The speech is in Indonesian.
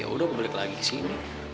ya udah balik lagi kesini